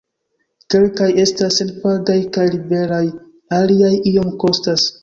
Kelkaj estas senpagaj kaj liberaj, aliaj iom kostas.